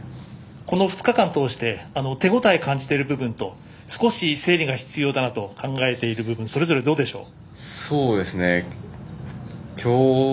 この２日間通して手応えを感じている部分と少し整理が必要だなと考えている部分それぞれどうでしょう。